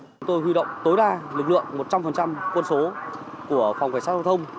chúng tôi huy động tối đa lực lượng một trăm linh quân số của phòng cảnh sát giao thông